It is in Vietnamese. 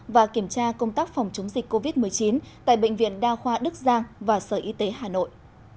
và kiểm tra công tác phòng chống dịch covid một mươi chín tại bệnh viện đa khoa đức giang và sở y tế hà nội